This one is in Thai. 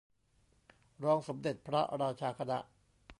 รองสมเด็จพระราชาคณะ